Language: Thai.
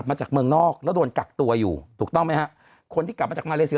มาจากเมืองนอกแล้วโดนกักตัวอยู่ถูกต้องไหมฮะคนที่กลับมาจากมาเลเซีย